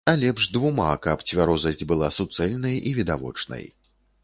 А лепш двума, каб цвярозасць была суцэльнай і відавочнай.